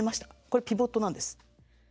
これピボットなんです。